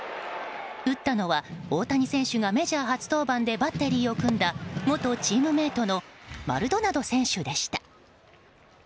打ったのは大谷選手がメジャー初登板でバッテリーを組んだ元チームメートのマルドナド選手でした。